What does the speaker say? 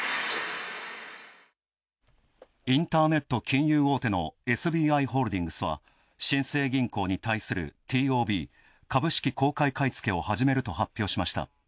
インターネット金融大手のＳＢＩホールディングスは新生銀行に対するＴＯＢ＝株式公開買い付けを始めると発表しました。